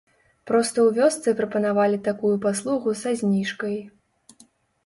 Проста ў вёсцы прапанавалі такую паслугу са зніжкай.